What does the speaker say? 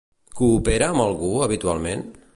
Coopera amb algú habitualment?